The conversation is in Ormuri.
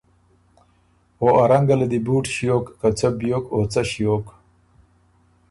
او ا رنګه له دی بُوټ ݭیوک که څه بیوک او څه ݭیوک۔